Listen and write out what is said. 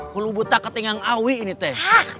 hulubutak ketingang awi ini teh